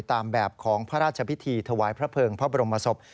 ตามแบบของพระราชพิธีถวายพระเภิงพระบรมศพ